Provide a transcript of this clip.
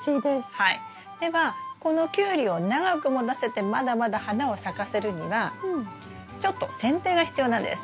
ではこのキュウリを長くもたせてまだまだ花を咲かせるにはちょっと剪定が必要なんです。